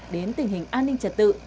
đến tình hình an ninh trật tự